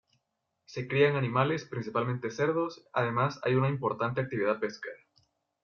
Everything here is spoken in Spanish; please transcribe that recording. Se crían animales principalmente cerdos, además hay una importante actividad pesquera.